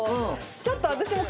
ちょっと私も。